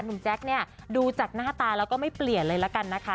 แจ๊คเนี่ยดูจากหน้าตาแล้วก็ไม่เปลี่ยนเลยละกันนะคะ